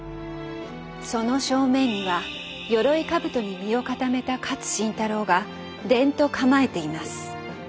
その正面にはよろいかぶとに身を固めた勝新太郎がデンと構えています。